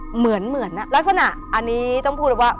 เหมือนลักษณะอันนี้ต้องพูดเลยว่า